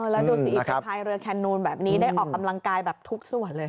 แล้วดูสิไปพายเรือแคนนูนแบบนี้ได้ออกกำลังกายแบบทุกส่วนเลย